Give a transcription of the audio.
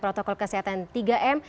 protokol kesehatan tiga m